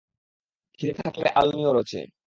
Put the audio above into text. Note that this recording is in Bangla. খিদে থাকলে আলুনিও রোচে।